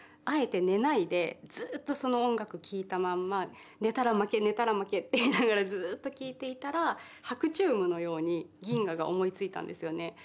あえて寝ないでずっとその音楽聴いたまんま寝たら負け寝たら負けって言いながらずっと聴いていたら白昼夢のように銀河が思いついたんですよね。